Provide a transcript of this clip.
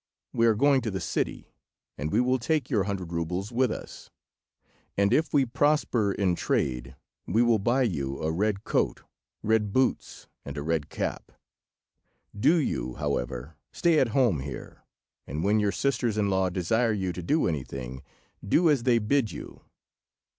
we are going to the city, and we will take your hundred roubles with us, and if we prosper in trade we will buy you a red coat, red boots, and a red cap. Do you, however, stay at home here, and when your sisters in law desire you to do anything, do as they bid you."